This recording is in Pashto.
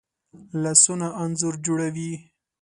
لاسونه انځور جوړوي